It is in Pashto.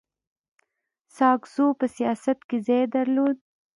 ساکزو په سیاست کي خاص ځای درلود.